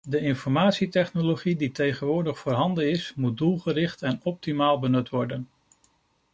De informatietechnologie die tegenwoordig voorhanden is, moet doelgericht en optimaal benut worden.